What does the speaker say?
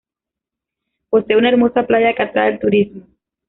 Posee una hermosa playa que atrae el turismo.